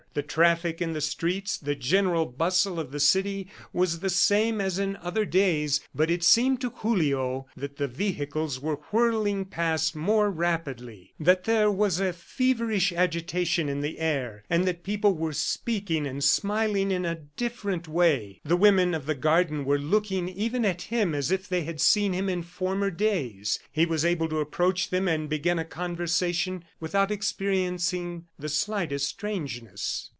The traffic in the streets, the general bustle of the city was the same as in other days, but it seemed to Julio that the vehicles were whirling past more rapidly, that there was a feverish agitation in the air and that people were speaking and smiling in a different way. The women of the garden were looking even at him as if they had seen him in former days. He was able to approach them and begin a conversation without experiencing the slightest strangeness.